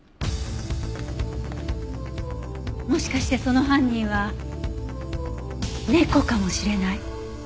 もしかしてその犯人は猫かもしれない。